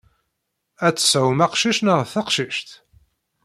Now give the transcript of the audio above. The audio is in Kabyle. Ad tesɛum aqcic neɣ d taqcict?